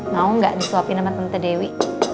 mau nggak disuapin sama tante dewi